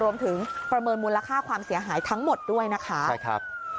รวมถึงประเมินมูลค่าความเสียหายทั้งหมดด้วยนะคะ